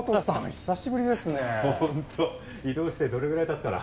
久しぶりですねホント異動してどれぐらいたつかな